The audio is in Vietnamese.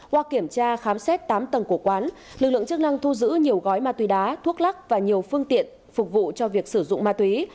qua kiểm tra khám xét tám tầng của quán lực lượng chức năng thu giữ nhiều gói ma túy đá thuốc lắc và nhiều phương tiện phục vụ cho việc sử dụng ma túy